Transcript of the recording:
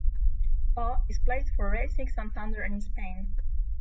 Bahr has played for Racing Santander in Spain.